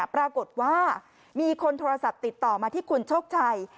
ปรากฏว่ามีคนโทรศัพท์ติดต่อมาที่คุณโชคชัย